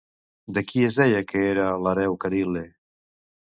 De qui es deia que era l'hereu Caril·le?